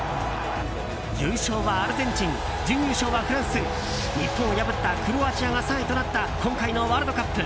優勝はアルゼンチン準優勝はフランス日本を破ったクロアチアが３位となった今回のワールドカップ。